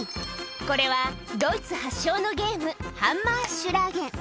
これはドイツ発祥のゲーム、ハンマーシュラーゲン。